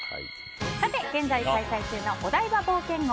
さて、現在開催中のお台場冒険王。